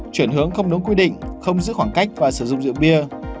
chuyển hướng không đúng quy định không giữ khoảng cách và sử dụng rượu bia